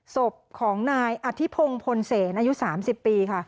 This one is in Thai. ศพของนายอธิพงศ์พลเซนอายุ๓๐ปีค่ะ